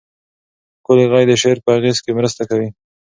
ښکلی غږ د شعر په اغېز کې مرسته کوي.